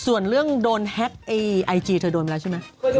ส่วนเรื่องโดนแฮ็กไอจีเธอโดนไปแล้วใช่ไหม